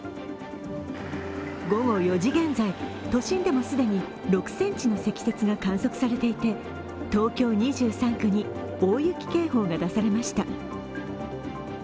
午後４時現在、都心でも既に６ｃｍの積雪が観測されていて東京２３区に、大雪警報が出されました。